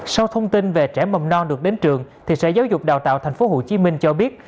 sau thông tin về trẻ mầm non được đến trường sở giáo dục đào tạo tp hcm cho biết